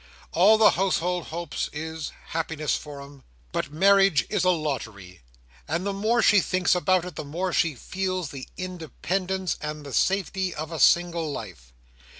All the housemaid hopes is, happiness for 'em—but marriage is a lottery, and the more she thinks about it, the more she feels the independence and the safety of a single life.